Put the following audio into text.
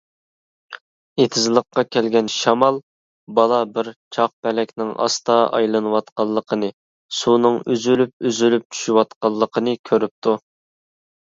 ئېتىزلىققا كەلگەن شامال بالا بىر چاقپەلەكنىڭ ئاستا ئايلىنىۋاتقانلىقىنى، سۇنىڭ ئۈزۈلۈپ-ئۈزۈلۈپ چۈشۈۋاتقانلىقىنى كۆرۈپتۇ.